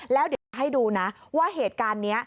แล้วเดี๋ยวจะให้ดูนะว่าเหตุการณ์นี้